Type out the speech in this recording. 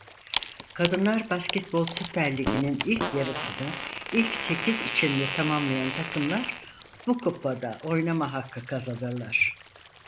Kadınlar Basketbol Süper Ligi'nin ilk yarısını ilk sekiz içinde tamamlayan takımlar bu kupa da oynama hakkı kazanırlar.